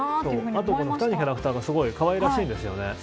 あとキャラクターがすごい、かわいらしいですよね。